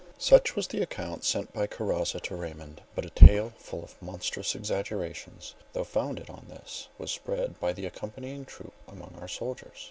Such was the account sent by Karazza to Raymond: but a tale full of monstrous exaggerations, though founded on this, was spread by the accompanying troop among our soldiers.